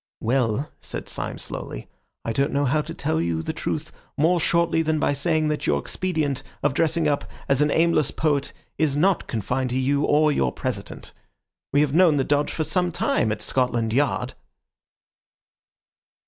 "Well," said Syme slowly, "I don't know how to tell you the truth more shortly than by saying that your expedient of dressing up as an aimless poet is not confined to you or your President. We have known the dodge for some time at Scotland Yard."